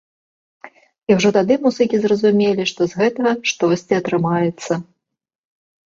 І ўжо тады музыкі зразумелі, што з гэтага штосьці атрымаецца.